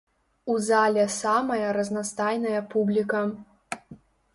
У зале самая разнастайная публіка.